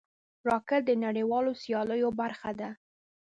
راکټ د نړیوالو سیالیو برخه ده